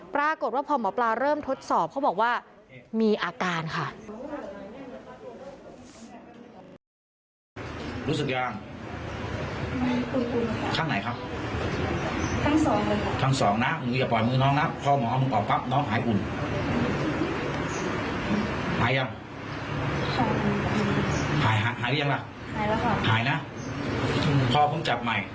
ปรากฏว่าพอหมอปลาเริ่มทดสอบเขาบอกว่ามีอาการค่ะ